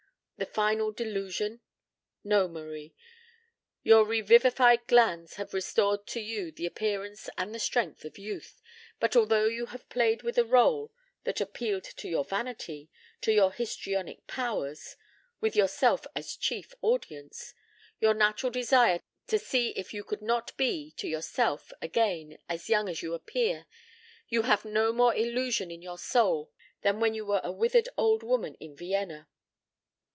The final delusion. No, Marie. Your revivified glands have restored to you the appearance and the strength of youth, but, although you have played with a rôle that appealed to your vanity, to your histrionic powers with yourself as chief audience your natural desire to see if you could not be to yourself, again as young as you appear, you have no more illusion in your soul than when you were a withered old woman in Vienna."